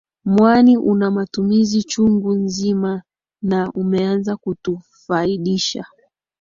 Mwani una matumizi chungu nzima na umeanza kutufaidisha